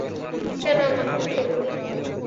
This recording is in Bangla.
কেন এমন করতে গেলি?